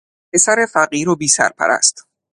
پسر فقیر و بی سرپرست